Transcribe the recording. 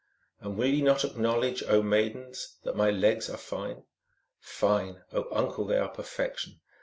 " And will ye not acknowl edge, oh, maidens, that my legs are fine?" "Fine! oh, uncle, they are perfection.